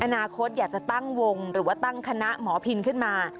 อนาคตอยากจะตั้งวงหรือว่าตั้งคณะหมอพินขึ้นมา